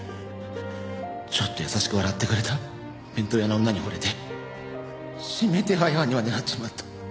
ちょっと優しく笑ってくれた弁当屋の女に惚れて指名手配犯にまでなっちまった。